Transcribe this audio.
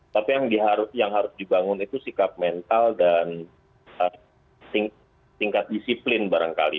tapi yang harus dibangun itu sikap mental dan tingkat disiplin barangkali